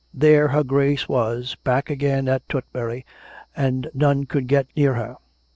There her Grace was, back again at Tutbury, and none could get near her.